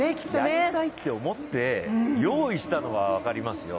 やりたいと思って用意したのは分かりますよ。